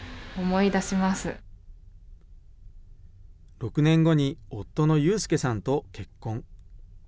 ６年後に夫の祐亮さんと結婚。